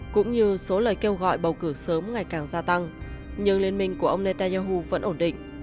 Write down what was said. cũng như số lời kêu gọi bầu cử sớm ngày càng gia tăng nhưng liên minh của ông netanyahu vẫn ổn định